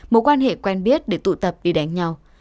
mối quan hệ quen biết để tụ tập đi đánh nhau